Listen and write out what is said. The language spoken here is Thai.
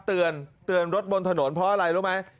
เตือนเตือนรถบนถนนเพราะอะไรรู้ไหม